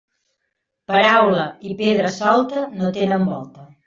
Paraula i pedra solta no tenen volta.